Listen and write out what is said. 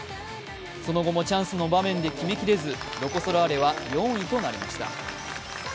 その後もチャンスの場面で決めきれずロコ・ソラーレは４位となりました。